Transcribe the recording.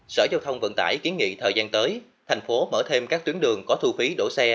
sở giao thông vận tải kiến nghị thời gian tới tp hcm mở thêm các tuyến đường có thu phí đỗ xe